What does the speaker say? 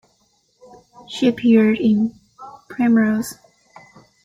She appeared in "Primrose".